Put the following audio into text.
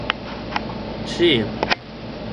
ĉe